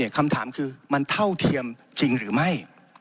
คำถามคือมันเท่าเทียมจริงหรือไม่